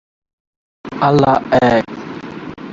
এটি বরিশাল সিটি কর্পোরেশনের আওতাধীন।